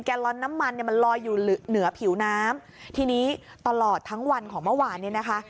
ลอนน้ำมันเนี่ยมันลอยอยู่เหนือผิวน้ำทีนี้ตลอดทั้งวันของเมื่อวานเนี่ยนะคะ